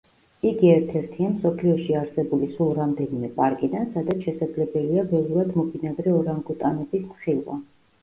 იგი ერთ–ერთია მსოფლიოში არსებული სულ რამდენიმე პარკიდან, სადაც შესაძლებელია ველურად მობინადრე ორანგუტანების ხილვა.